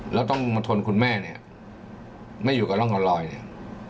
แล้วต้องมาทนคุณแม่เนี่ยไม่อยู่กับร่องกับรอยเนี่ย